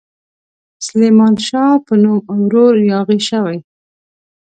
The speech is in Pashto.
سلیمان شاه په نوم ورور یاغي شوی.